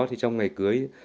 trong ngày cưới